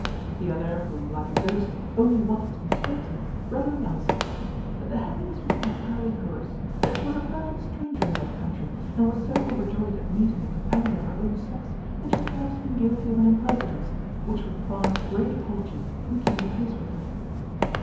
The other, who, like a ghost, only wanted to be spoke to, readily answered, "That the happiness was entirely hers; that she was a perfect stranger in that country, and was so overjoyed at meeting a companion of her own sex, that she had perhaps been guilty of an impertinence, which required great apology, in keeping pace with her."